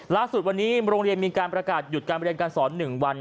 ล่าสุดวันนี้โรงเรียนมีการประกาศหยุดการเรียนการสอน๑วัน